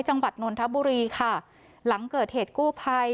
จังหวัดนนทบุรีค่ะหลังเกิดเหตุกู้ภัย